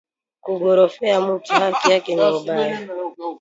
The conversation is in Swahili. Ku gorofea mutu haki yake ni mubaya